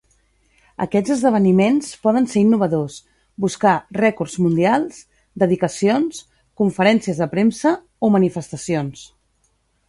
Aquests esdeveniments poden ser innovadors, buscar rècords mundials, dedicacions, conferències de premsa o manifestacions.